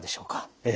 ええ。